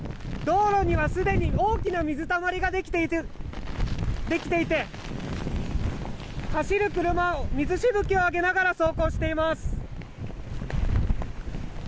道路には、すでに大きな水たまりができていて走る車は水しぶきを上げながら走行しています。